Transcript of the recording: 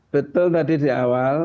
betul tadi di awal